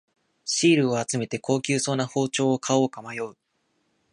シールを集めて高級そうな包丁を買おうか迷う